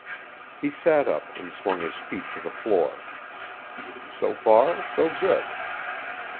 He sat up and swung his feet to the floor. So far, so good.